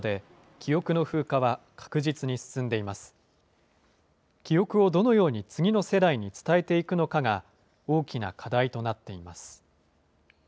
記憶をどのように次の世代に伝えていくのかが、大きな課題となっています。